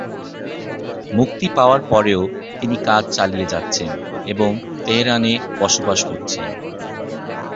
মুক্তি পাওয়ার পরেও তিনি কাজ চালিয়ে যাচ্ছেন এবং তেহরানে বসবাস করছেন।